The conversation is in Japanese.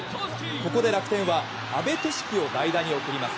ここで楽天は阿部寿樹を代打に送ります。